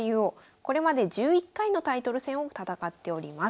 これまで１１回のタイトル戦を戦っております。